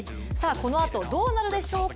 このあとどうなるでしょうか。